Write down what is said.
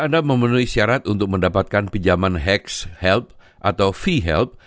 atau memenuhi syarat untuk mendapatkan pinjaman hex help atau v help